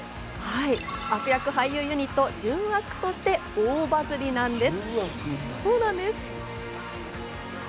悪役俳優ユニット・純悪として大バズりなんです。